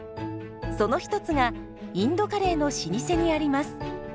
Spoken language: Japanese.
その一つがインドカレーの老舗にあります。